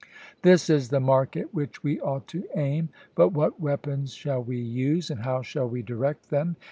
This is the mark at which we ought to aim. But what weapons shall we use, and how shall we direct them?